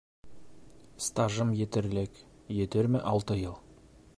Стажым етерлек - етерме алты йыл.